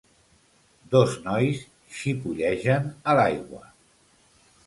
Dos nois xipollegen a l'aigua